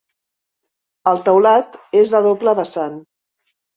El teulat és de doble vessant.